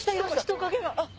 人影が。